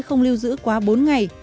không lưu giữ quá bốn ngày